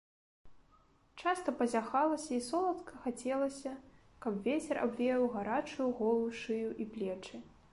Часта пазяхалася і соладка хацелася, каб вецер абвеяў гарачую голую шыю і плечы.